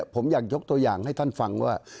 ผมอยากยกตัวอย่างให้ท่านฟังว่า